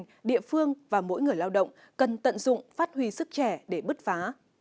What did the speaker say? ngành địa phương và mỗi người lao động cần tận dụng phát huy sức trẻ để bứt phá